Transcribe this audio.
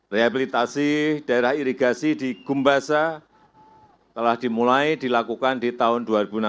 rehabilitasi daerah irigasi di gumbasa telah dimulai dilakukan di tahun dua ribu enam belas